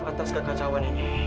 atas kekecauan ini